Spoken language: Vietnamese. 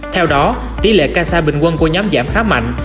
theo đó tỷ lệ kasha bình quân của nhóm giảm khá mạnh